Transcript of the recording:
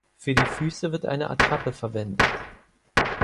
Für die Füße wird eine Attrappe verwendet.